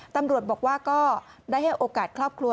ตำรวจบอกว่าก็ได้ให้โอกาสครอบครัว